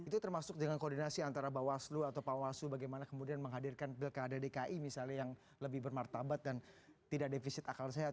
itu termasuk dengan koordinasi antara bawaslu atau bawaslu bagaimana kemudian menghadirkan pilkada dki misalnya yang lebih bermartabat dan tidak defisit akal sehat